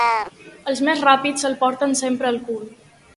Els més ràpids el porten sempre al cul.